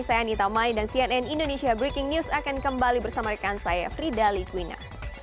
saya anita mai dan cnn indonesia breaking news akan kembali bersama rekan saya frida litwina